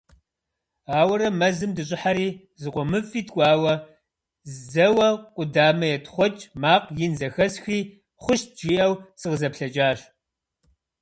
Ауэрэ мэзым дыщӀыхьэри зыкъомыфӀи ткӀуауэ, зэуэ къудамэ етхъуэкӀ макъ ин зэхэсхри, «хъущт» жиӀэу сыкъызэплъэкӀащ.